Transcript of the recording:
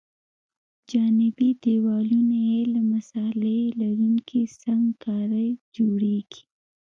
جانبي دیوالونه یې له مصالحه لرونکې سنګ کارۍ جوړیږي